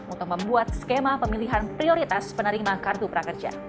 untuk membuat skema pemilihan prioritas penerima kartu prakerja